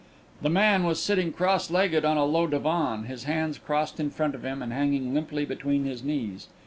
The man was sitting cross legged on a low divan, his hands crossed in front of him and hanging limply between his knees.